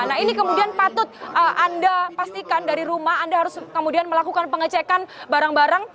nah ini kemudian patut anda pastikan dari rumah anda harus kemudian melakukan pengecekan barang barang